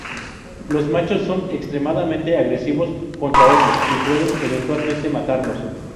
Los machos son extremadamente agresivos contra otros, y pueden eventualmente matarlos.